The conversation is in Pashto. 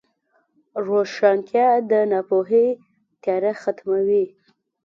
روښانتیا د ناپوهۍ تیاره ختموي.